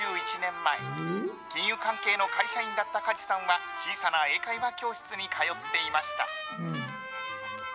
２１年前、金融関係の会社員だった加地さんは、小さな英会話教室に通っていました。